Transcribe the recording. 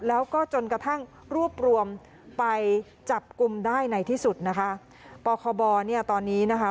แล้วก็จนกระทั่งรวบรวมไปจับกลุ่มได้ในที่สุดนะคะปคบเนี่ยตอนนี้นะคะ